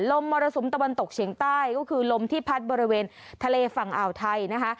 มรสุมตะวันตกเฉียงใต้ก็คือลมที่พัดบริเวณทะเลฝั่งอ่าวไทยนะคะ